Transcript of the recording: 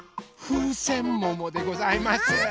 ふうせんももでございます。